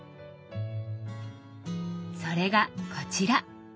それがこちら。